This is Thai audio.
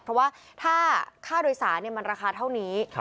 เพราะว่าถ้าค่าโดยสารมันราคาเท่านี้